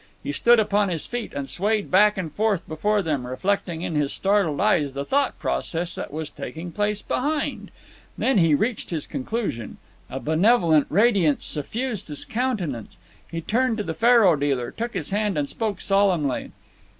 He stood upon his feet and swayed back and forth before them, reflecting in his startled eyes the thought process that was taking place behind. Then he reached his conclusion. A benevolent radiance suffused his countenance. He turned to the faro dealer, took his hand, and spoke solemnly.